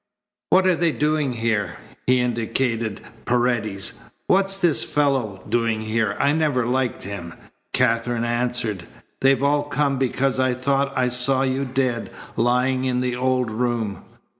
"What they doing here?" He indicated Paredes. "What's this fellow doing here? I never liked him." Katherine answered: "They've all come because I thought I saw you dead, lying in the old room."